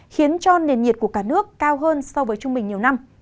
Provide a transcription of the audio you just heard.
khiến cho nền nhiệt của cả nước cao hơn so với chung mình nhiều năm